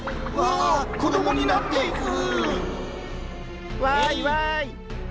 ああ子供になっていく。